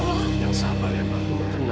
ya allah yang sabar ya mama